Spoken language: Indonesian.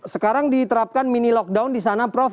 sekarang diterapkan mini lockdown di sana prof